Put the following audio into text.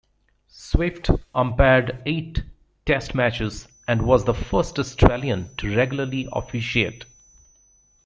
Swift umpired eight Test matches, and was the first Australian to regularly officiate.